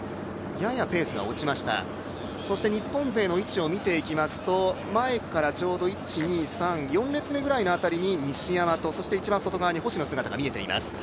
ややペースが落ちました日本勢の位置を見ますと、前から４列目くらいの位置に西山と、一番外側に星の姿が見えています。